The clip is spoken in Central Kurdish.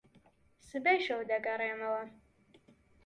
سبەی شەو دەگەڕێمەوە.